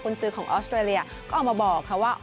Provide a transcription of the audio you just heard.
คุณซื้อของออสเตรเลียก็ออกมาบอกค่ะว่า